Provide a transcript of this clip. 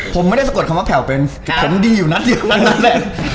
ผมไม่ได้สะกดคำว่าแผ่วเป็นผมดีอยู่นัดอยู่นัดนั้นแหละ